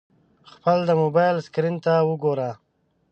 خپل د موبایل سکرین ته وګوره !